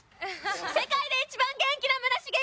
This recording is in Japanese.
世界で一番元気な村重いきます！